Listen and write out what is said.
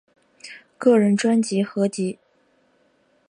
个人专辑合辑